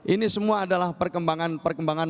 ini semua adalah perkembangan perkembangan